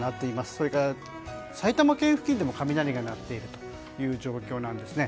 それから、埼玉県付近でも雷が鳴っている状況です。